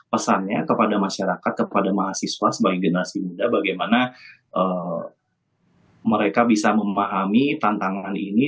pesannya kepada masyarakat kepada mahasiswa sebagai generasi muda bagaimana mereka bisa memahami tantangan ini